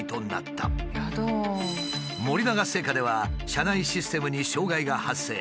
森永製菓では社内システムに障害が発生。